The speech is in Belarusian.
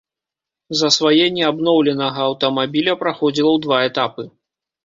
Засваенне абноўленага аўтамабіля праходзіла ў два этапы.